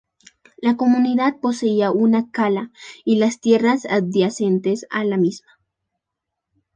La comunidad poseía una cala y las tierras adyacentes a la misma.